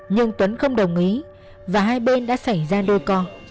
nhưng tuấn không đồng ý và hai bên đã xảy ra đôi co